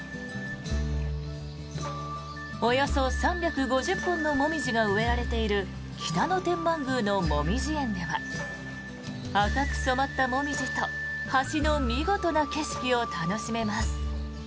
およそ３５０本のモミジが植えられている北野天満宮のもみじ苑では赤く染まったモミジと橋の見事な景色を楽しめます。